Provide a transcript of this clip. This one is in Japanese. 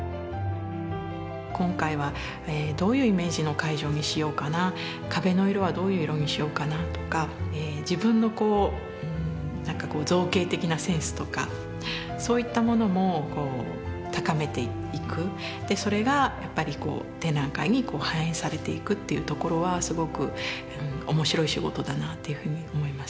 今回はどういうイメージの会場にしようかな壁の色はどういう色にしようかなとか自分の造形的なセンスとかそういったものも高めていくそれがやっぱりこう展覧会に反映されていくっていうところはすごく面白い仕事だなっていうふうに思いますね。